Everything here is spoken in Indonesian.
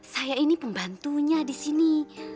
saya ini pembantunya disini